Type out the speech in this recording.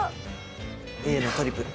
Ａのトリプル。